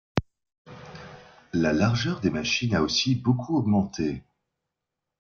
La largeur des machines a aussi beaucoup augmenté.